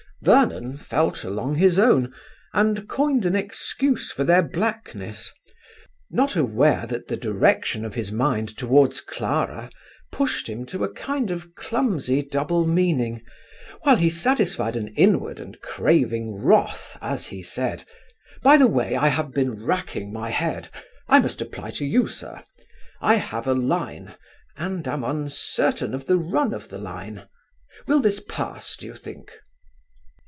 Vernon felt along his own, and coined an excuse for their blackness; not aware that the direction of his mind toward Clara pushed him to a kind of clumsy double meaning, while he satisfied an inward and craving wrath, as he said: "By the way, I have been racking my head; I must apply to you, sir. I have a line, and I am uncertain of the run of the line. Will this pass, do you think?